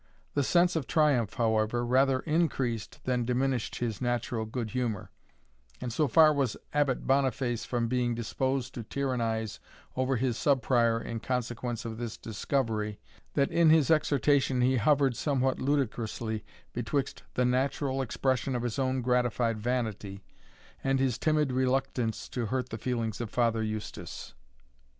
The sense of triumph, however, rather increased than diminished his natural good humour; and so far was Abbot Boniface from being disposed to tyrannize over his Sub Prior in consequence of this discovery, that in his exhortation he hovered somewhat ludicrously betwixt the natural expression of his own gratified vanity, and his timid reluctance to hurt the feelings of Father Eustace.